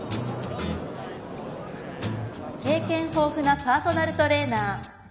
経験豊富なパーソナルトレーナー。